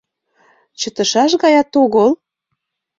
Чытышаш гаят огыл.